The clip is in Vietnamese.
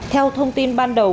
theo thông tin ban đầu